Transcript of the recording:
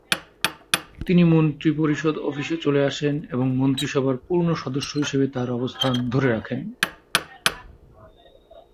তিনি মন্ত্রিপরিষদ অফিসে চলে আসেন এবং মন্ত্রিসভার পূর্ণ সদস্য হিসাবে তার অবস্থান ধরে রাখেন।